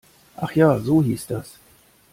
Ach ja, so hieß das.